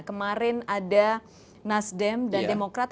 kemarin ada nasdem dan demokrat